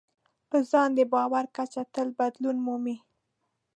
په ځان د باور کچه تل بدلون مومي.